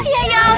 ayah ya ampun